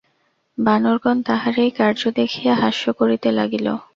বানরগণ তাহার এই কার্য দেখিয়া হাস্য করিতে লাগিল।